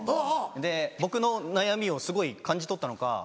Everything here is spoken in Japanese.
で僕の悩みをすごい感じ取ったのか